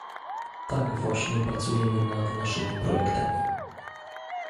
Tak właśnie pracujemy nad naszymi projektami